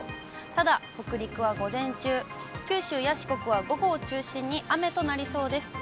ただ北陸は午前中、九州や四国は午後を中心に、雨となりそうです。